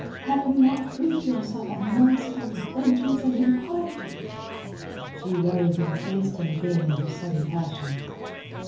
Have you not proved yourself a monster of vengeance and impiety?" She rose and faced him again in her sudden passion.